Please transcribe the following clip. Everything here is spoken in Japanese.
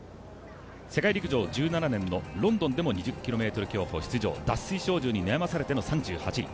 世界陸上１７年のロンドンでも２０ｋｍ競歩出場脱水症状に悩まされての３８位。